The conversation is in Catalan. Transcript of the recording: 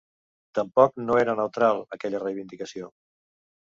Tampoc no era neutral, aquella reivindicació.